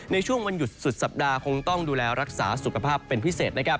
ในช่วงวันหยุดสุดสัปดาห์คงต้องดูแลรักษาสุขภาพเป็นพิเศษนะครับ